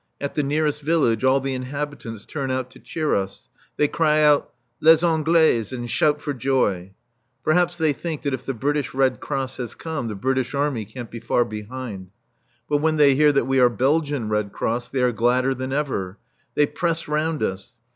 At the nearest village all the inhabitants turn out to cheer us. They cry out "Les Anglais!" and laugh for joy. Perhaps they think that if the British Red Cross has come the British Army can't be far behind. But when they hear that we are Belgian Red Cross they are gladder than ever. They press round us.